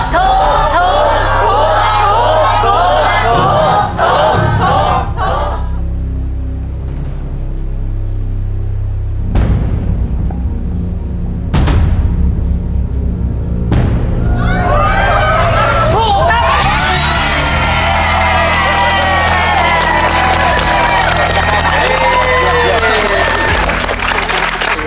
ถูก